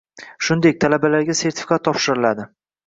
Shuningdek, talabalarga sertifikat topshiriladi